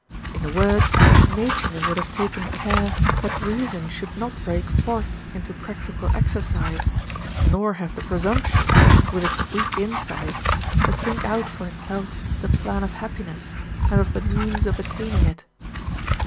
In a word, nature would have taken care that reason should not break forth into practical exercise, nor have the presumption, with its weak insight, to think out for itself the plan of happiness, and of the means of attaining it.